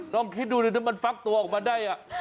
ลองคิดดูดิถ้ามันฟักตัวออกมาได้